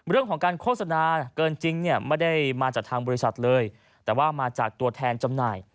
เรื่องของการโฆษณาเกินจริงเนี่ยไม่ได้มาจากทางบริษัทเลยแต่ว่ามาจากตัวแทนจำหน่าย